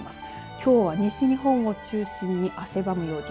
きょうは西日本を中心に汗ばむ陽気。